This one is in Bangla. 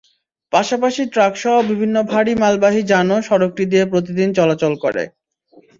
পাশাপাশি ট্রাকসহ বিভিন্ন ভারী মালবাহী যানও সড়কটি দিয়ে প্রতিদিন চলাচল করে।